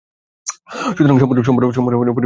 সুতরাং সম্পূর্ণ সমতা পরিহার করা বাঞ্ছনীয়।